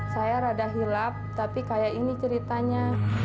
saya rada hilap tapi kayak ini ceritanya